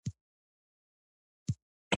زموږ ټولنه باید د علم په برخه کې پوخ وټاکل سي.